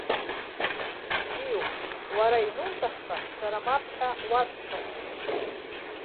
Бзиоуп, уара иануҭахха, сара мап ҳәа уасҳәом.